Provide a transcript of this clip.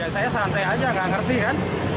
saya santai aja nggak ngerti kan